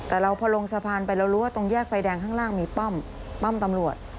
แต่เราพอลงสะพานไปเรารู้ว่าตรงแยกไฟแดงข้างล่างมีป้อมป้อมตำรวจ